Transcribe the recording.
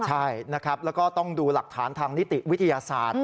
ใช่นะครับแล้วก็ต้องดูหลักฐานทางนิติวิทยาศาสตร์